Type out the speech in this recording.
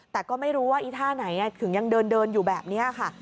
แต่ก็ไม่รู้ว่าท่าไหนนั้นคือยังเดินอยู่แบบนี้อ่ะค่ะ